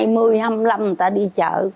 hai mươi hai mươi năm người ta đi chợ